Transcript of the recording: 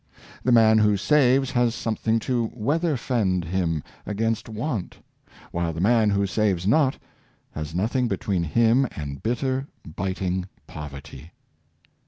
The man who saves has something to weather fend him against want; while the man who saves not has nothing between him and bitter, biting poverty.